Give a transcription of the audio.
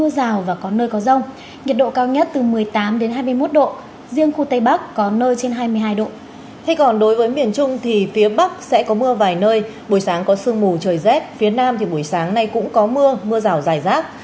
còn đối với miền trung thì phía bắc sẽ có mưa vài nơi buổi sáng có sương mù trời rét phía nam thì buổi sáng nay cũng có mưa mưa rào dài rác